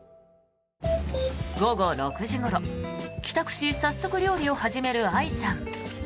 午後６時ごろ、帰宅し早速料理を始める愛さん。